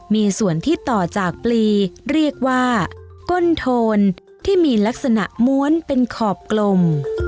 มีส่วนที่ต่อจากปลีเรียกว่าก้นโทนที่มีลักษณะม้วนเป็นขอบกลม